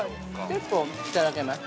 ◆結構いただけます。